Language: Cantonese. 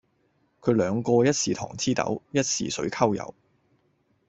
佢兩個一時糖黐豆，一時水摳油